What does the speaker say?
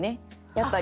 やっぱり。